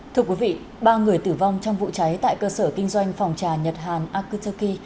thưa quý vị ba người tử vong trong vụ cháy tại cơ sở kinh doanh phòng trà nhật hàn akutoki